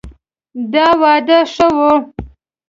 دا واده ښه ؤ